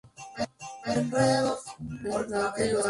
Albert Haddock.